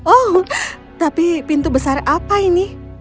oh tapi pintu besar apa ini